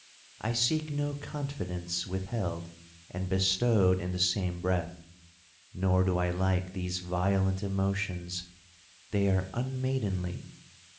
I seek no confidence withheld and bestowed in the same breath; nor do I like these violent emotions—they are unmaidenly.